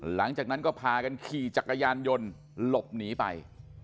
หลังจากนั้นก็พากันขี่จักรยานยนต์หลบหนีไป